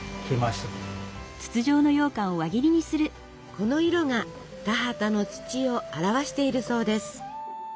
この色が田畑の土を表しているそうです。